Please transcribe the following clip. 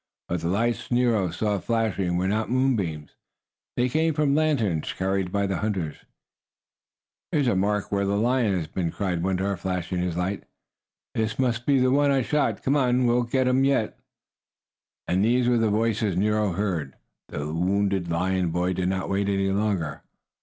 But the lights Nero saw flashing were not moonbeams. They came from lanterns carried by the hunters. "Here is a mark where a lion has been!" cried one hunter, flashing his light. "This must be the one I shot! Come on, we'll get him yet!" And these were the voices Nero heard. The wounded lion boy did not wait any longer.